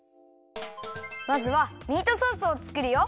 まずはミートソースをつくるよ。